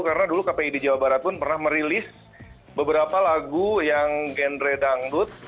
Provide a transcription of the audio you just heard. karena dulu kpi di jawa barat pun pernah merilis beberapa lagu yang genre dangdut